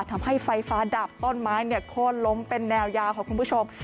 ทำให้ไฟฟ้าดับต้นไม้โค้นล้มเป็นแนวยาวค่ะคุณผู้ชม